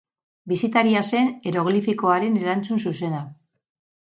Bisitaria zen eroglifikoaren erantzun zuzena.